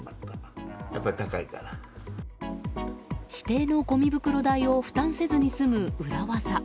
指定のごみ袋代を負担せずに済む裏技。